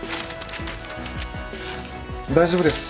大丈夫です。